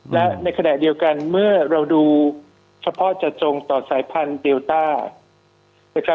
และในขณะเดียวกันเมื่อเราดูทรฟพ็อตจัดจงต่อสายพันธุ์เดลต้า